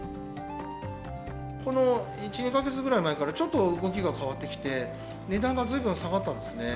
この１、２か月ぐらい前から、ちょっと動きが変わってきて、値段がずいぶん下がったんですね。